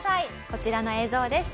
こちらの映像です。